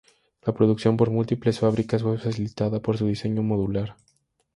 La producción por múltiples fábricas fue facilitada por su diseño modular.